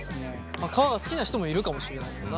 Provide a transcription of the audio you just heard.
皮が好きな人もいるかもしれないもんな。